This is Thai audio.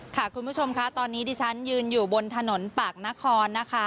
คุณผู้ชมค่ะตอนนี้ดิฉันยืนอยู่บนถนนปากนครนะคะ